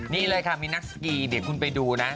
นี่เลยค่ะมีนักสกีเดี๋ยวคุณไปดูนะ